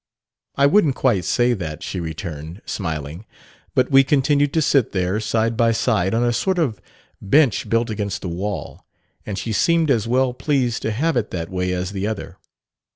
'I wouldn't quite say that,' she returned, smiling; but we continued to sit there side by side on a sort of bench built against the wall, and she seemed as well pleased to have it that way as the other.